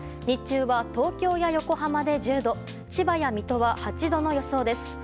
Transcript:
日中は東京や横浜で１０度千葉や水戸は８度の予想です。